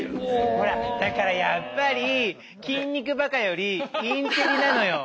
ほらだからやっぱり筋肉バカよりインテリなのよ。